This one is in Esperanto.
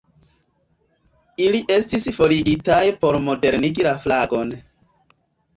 Ili estis forigitaj por modernigi la flagon.